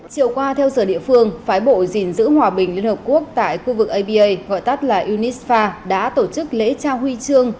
chiều qua theo sở địa phương phái bộ dình giữ hòa bình liên hợp quốc tại khu vực aba gọi tắt là unisfa đã tổ chức lễ trao huy trương